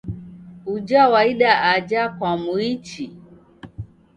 Uja waida aja kwamuichi?